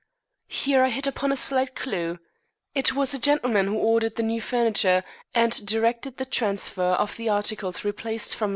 "Here I hit upon a slight clue. It was a gentleman who ordered the new furniture, and directed the transfer of the articles replaced from No.